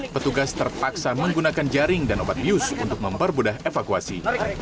petugas terpaksa menggunakan jaring dan obat bius untuk mempermudah evakuasi